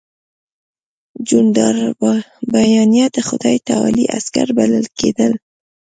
جنودالربانیه د خدای تعالی عسکر بلل کېدل.